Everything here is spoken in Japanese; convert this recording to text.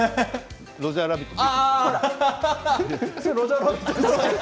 ロジャーラビットも。